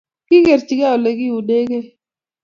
Kigerchigei olegiunegei